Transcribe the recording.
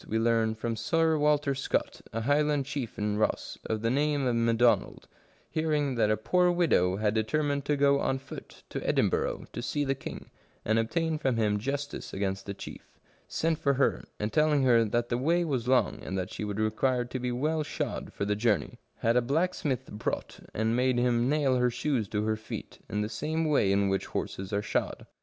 we learn from Sir Walter Scott, a Highland chief in Ross, of the name of McDonald, hearing that a poor widow had deter mined to go on foot to Edinburgh to see the king, and obtain from him justice against the chief, sent for her, and telling her that the way was long, and that she would require to be well shod for the journey, had a blacksmith brought, and made him nail her shoes to her feet, in the same way in which horses are shod.